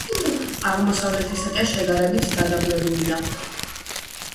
აღმოსავლეთისაკენ შედარებით დადაბლებულია.